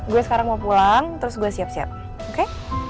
gue sekarang mau pulang terus gue siap siap oke